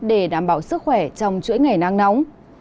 để đảm bảo sức khỏe trong chuỗi ngày nắng nóng